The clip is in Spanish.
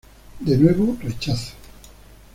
De nuevo rechazo.